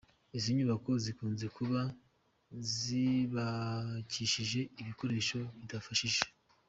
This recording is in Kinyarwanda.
Izi nyubako zikunze kuba zubakishije ibikoresho bidafashije.